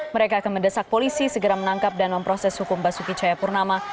mereka akan mendesak polisi segera menangkap dan memproses hukum basuki cahayapurnama